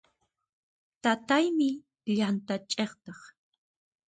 Taytaymi llant'a ch'iqtaq.